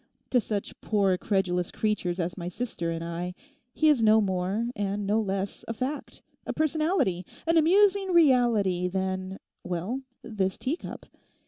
To such poor credulous creatures as my sister and I he is no more and no less a fact, a personality, an amusing reality than—well, this teacup.